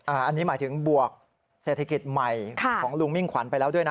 อันนี้หมายถึงบวกเศรษฐกิจใหม่ของลุงมิ่งขวัญไปแล้วด้วยนะ